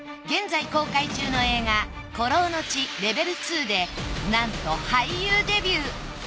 現在公開中の映画『孤狼の血ＬＥＶＥＬ２』でなんと俳優デビュー！